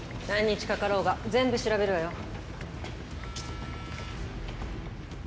何日かかろうが全部調べるわよ。